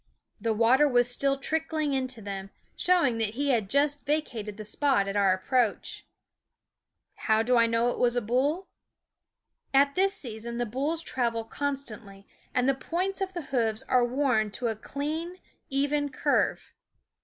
The water was still trickling into them, showing that he had just vacated the spot at our approach. How do I know it was a bull ? At this season the bulls travel constantly, and the SCHOOL OF 262 points of the hoofs are worn to a clean, even curve.